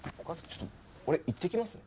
ちょっと俺行ってきますね。